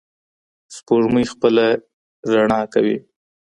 سپوږمۍ خپله رڼا کوي.